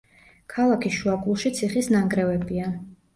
ქალაქის შუაგულში ციხის ნანგრევებია.